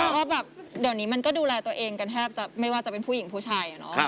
เพราะว่าแบบเดี๋ยวนี้มันก็ดูแลตัวเองกันแทบจะไม่ว่าจะเป็นผู้หญิงผู้ชาย